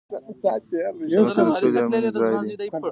مځکه د سولې او مینې ځای ده.